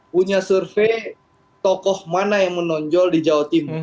punya survei tokoh mana yang menonjol di jawa timur